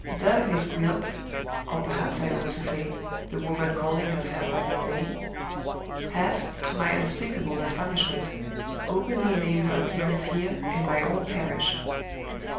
"The Miss Gwilt or perhaps I ought to say, the woman calling herself by that name has, to my unspeakable astonishment, openly made her appearance here, in my own parish!